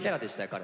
彼。